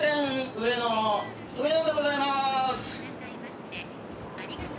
上野でございます。